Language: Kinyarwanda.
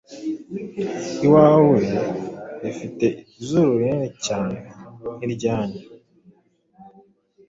Iwawe rifite izuru rinini cyane nk'iryanyu;